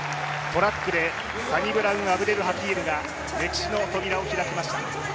トラックでサニブラウン・アブデルハキームが歴史の扉を開きました。